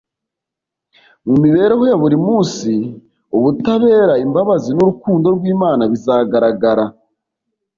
Mu mibereho ya buri munsi, ubutabera, imbabazi, n'urukundo rw'Imana bizagaragara.